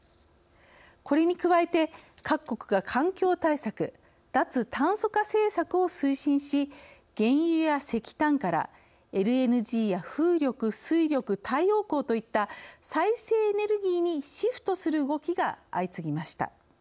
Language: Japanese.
これに加えて各国が環境対策・脱炭素化政策を推進し原油や石炭からＬＮＧや風力・水力・太陽光といった再生エネルギーにシフトする動きが相次ぎました。